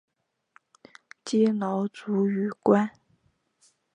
积劳卒于官。